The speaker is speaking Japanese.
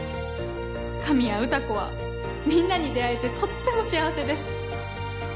神谷詩子はみんなに出会えてとっても幸せです。